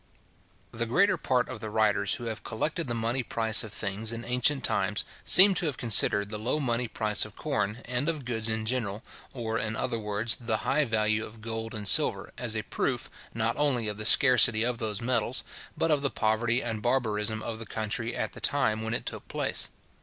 The greater part of the writers who have collected the money price of things in ancient times, seem to have considered the low money price of corn, and of goods in general, or, in other words, the high value of gold and silver, as a proof, not only of the scarcity of those metals, but of the poverty and barbarism of the country at the time when it took place.